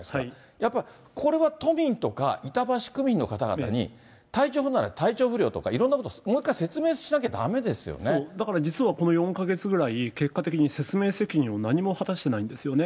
やっぱりこれは都民とか、板橋区民の方々に体調不良なら体調不良とか、いろんなこと、もう一回説だから実はこの４か月ぐらい、結果的に説明責任を何も果たしてないんですよね。